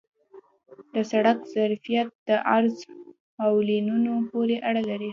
د سړک ظرفیت د عرض او لینونو پورې اړه لري